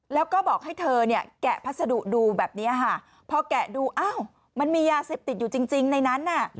แล้วก็บอกให้เธอแกะพัสดุดูแบบนี้พอแกะดูมันมียาเสพติดอยู่จริงในนั้น